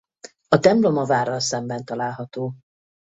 A templom a várral szemben található.